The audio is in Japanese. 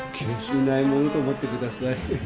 いないものと思ってください。